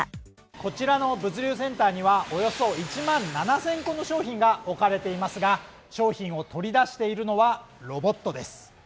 こちらの物流センターにはおよそ１万７０００個の商品が置かれていますが商品を取り出しているのはロボットです。